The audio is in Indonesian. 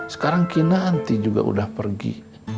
sekarang kinanti juga udah pergi